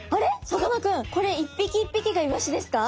さかなクンこれ一匹一匹がイワシですか？